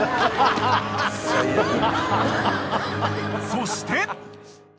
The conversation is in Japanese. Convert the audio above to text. ［そして］